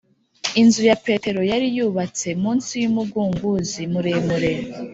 inzu ya petero yari yubatse munsi y'umugunguzi muremure;